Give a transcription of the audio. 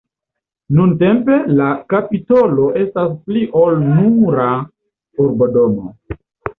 Nuntempe, la Kapitolo estas pli ol nura urbodomo.